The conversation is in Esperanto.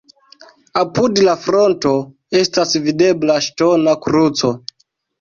Apud la fronto estas videbla ŝtona kruco.